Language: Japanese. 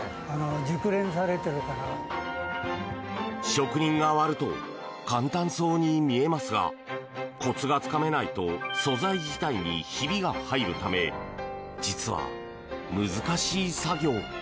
職人が割ると簡単そうに見えますがコツがつかめないと素材自体にひびが入るため実は難しい作業。